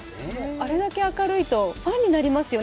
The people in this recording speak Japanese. あれだけ明るいとファンになりますよね